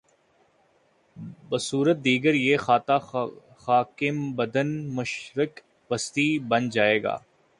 بصورت دیگریہ خطہ خاکم بدہن، مشرق وسطی بن جا ئے گا۔